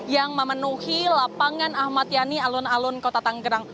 yang memenuhi lapangan ahmad yani alun alun kota tanggerang